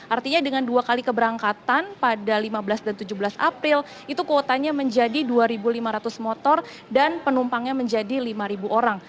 artinya dengan dua kali keberangkatan pada lima belas dan tujuh belas april itu kuotanya menjadi dua lima ratus motor dan penumpangnya menjadi lima orang